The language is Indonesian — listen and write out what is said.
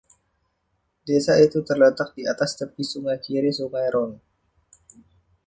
Desa itu terletak di atas tepi sungai kiri sungai Rhone.